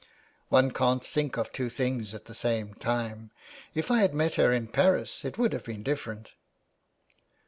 ''*' One can't think of two things at the same time. If I had met her in Paris it would have been different."